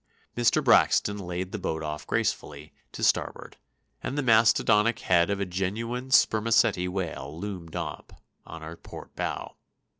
Mr. Braxton laid the boat off gracefully to starboard, and the mastodonic head of a genuine spermaceti whale loomed up on our port bow.